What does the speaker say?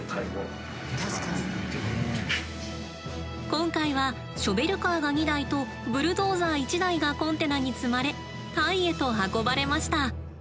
今回はショベルカーが２台とブルドーザー１台がコンテナに積まれタイへと運ばれました。